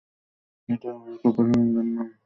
এইটা আমার খুব পছন্দের নাম।